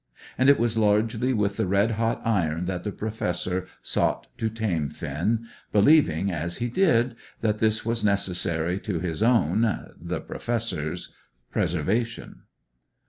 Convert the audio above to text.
And it was largely with the red hot iron that the Professor sought to tame Finn, believing, as he did, that this was necessary to his own, the Professor's, preservation.